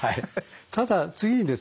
ただ次にですね